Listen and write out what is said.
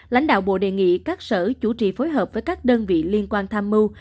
lãnh đạo bộ đề nghị các sở chủ trì phối hợp với các đơn vị liên quan tham mưu